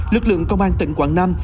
lực lượng công an tỉnh quảng nam